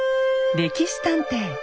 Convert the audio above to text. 「歴史探偵」。